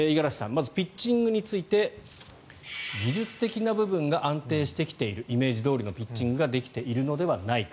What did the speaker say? まずピッチングについて技術的な部分が安定してきているイメージどおりのピッチングができているのではないか。